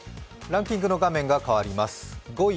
ランキングの画面が変わります。